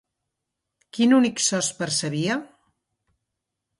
Quin únic so es percebia?